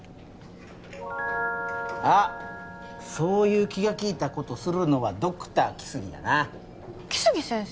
あっそういう気が利いたことするのはドクター来生やな来生先生？